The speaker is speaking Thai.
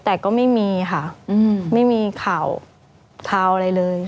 แต่ก็ไม่มีค่ะไม่มีข่าวทาวน์อะไรเลย